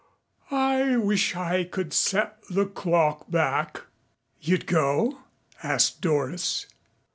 I wish I could set the clock back." "You'd go?" asked Doris.